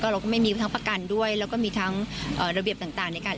เราก็ไม่มีทั้งประกันด้วยแล้วก็มีทั้งระเบียบต่างในการ